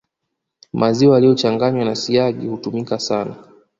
Maziwa yaliyochanganywa na siagi hutumika sana